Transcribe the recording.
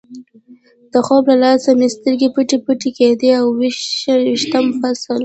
د خوب له لاسه مې سترګې پټې پټې کېدې، اوه ویشتم فصل.